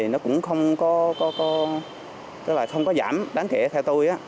nó cũng không có giảm đáng kể theo tôi